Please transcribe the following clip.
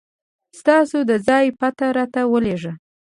ستاسو د ځای پته راته ولېږه